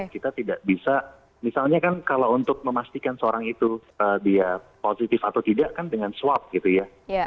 kita tidak bisa misalnya kan kalau untuk memastikan seorang itu dia positif atau tidak kan dengan swab gitu ya